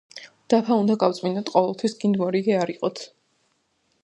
დაფა უნდა გავწმინდოთ ყოველთვის გინდ მორიგე არ იყოთ